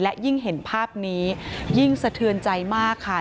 และยิ่งเห็นภาพนี้ยิ่งสะเทือนใจมากค่ะ